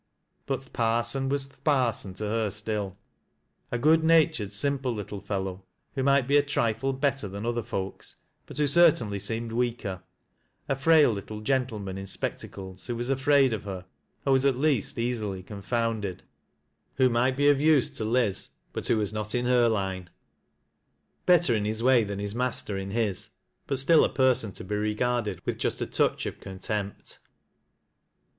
But " th' parson " was " th' parson " to her still. A good natured, simple little fellow, who might be a trifle better than other folks, but who certainly seemed weaker; a frail little gentleman in spectacles, who was afraid of her, or was at least easily confounded ; who might 1: e of use to Liz, but wlio was not in her line, — better iu his way than his master in his ; but still a person to be regarded .A ith just a touch of contempt.